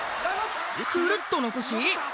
くるっ！と残し。